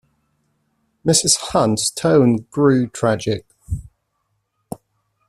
Mrs. Hunt's tone grew tragic.